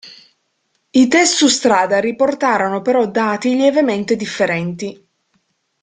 I test su strada riportarono però dati lievemente differenti.